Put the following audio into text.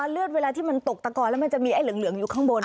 เลือดเวลาที่มันตกตะกอนแล้วมันจะมีไอ้เหลืองอยู่ข้างบน